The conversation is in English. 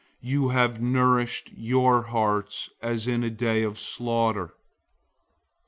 You have nourished your hearts as in a day of slaughter.